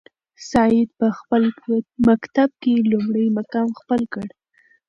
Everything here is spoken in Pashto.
سعید په خپل مکتب کې لومړی مقام خپل کړ.